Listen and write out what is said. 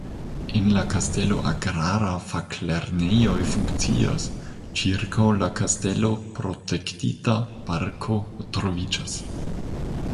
En la kastelo agrara faklernejo funkcias, ĉirkaŭ la kastelo protektita parko troviĝas.